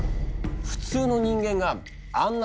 普通の人間があんな